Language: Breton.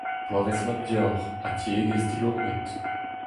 Bloavezh mat deoc'h, ha tiegezh dilogod.